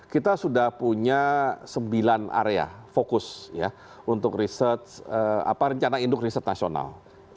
kita punya sembilan area fokus untuk riset apa rencana induk riset nasional